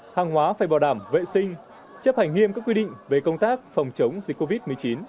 hàng hóa phải bảo đảm vệ sinh chấp hành nghiêm các quy định về công tác phòng chống dịch covid một mươi chín